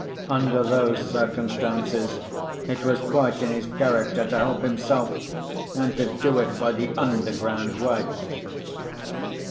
Under those circumstances, it was quite in his character to help himself, and to do it by the underground way.